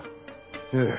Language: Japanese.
ええ。